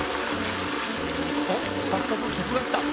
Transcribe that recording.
おっさっそくきゃくが来た。